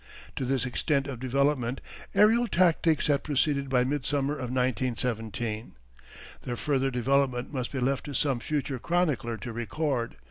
To this extent of development aërial tactics had proceeded by midsummer of 1917. Their further development must be left to some future chronicler to record.